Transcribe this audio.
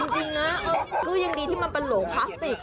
จริงนะก็ยังดีที่มันเป็นโหลพลาสติก